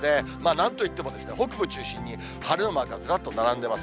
なんといってもですね、北部中心に晴れのマークがずらっと並んでます。